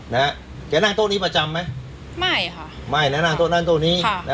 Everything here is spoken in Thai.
แกนั่งโต๊ะนี้ประจำไหมไม่ค่ะไม่นะนั่งโต๊ะนั้นโต๊ะนี้ค่ะ